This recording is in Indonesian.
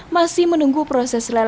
masih menunggu proses lelang traffic light